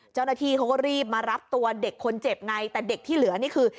เจ้าหน้าที่เขาก็รีบมารับตัวเด็กคนเจ็บไงแต่เด็กที่เหลือนี่คือ